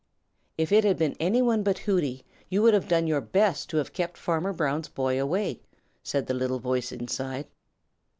"If it had been any one but Hooty, you would have done your best to have kept Farmer Brown's boy away," said the little voice inside.